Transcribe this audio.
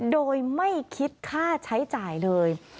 โดยไม่คิดค่าใช้จ่ายเลย